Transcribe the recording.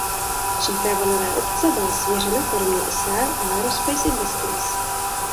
Příprava nové obce byla svěřena firmě Israel Aerospace Industries.